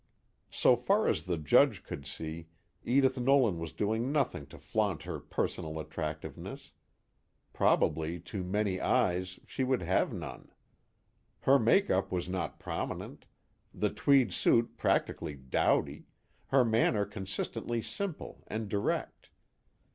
So far as the Judge could see, Edith Nolan was doing nothing to flaunt her personal attractiveness. Probably to many eyes she would have none. Her make up was not prominent, the tweed suit practically dowdy, her manner consistently simple and direct.